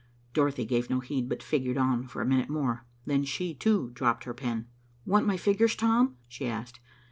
Dorothy gave no heed, but figured on for a minute more. Then she, too, dropped her pen. "Want my figures, Tom?" she asked.